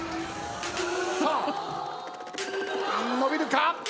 さあ伸びるか？